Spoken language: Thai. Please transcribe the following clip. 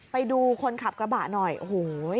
ไปดูคนขับกระบะหน่อยโอ้โห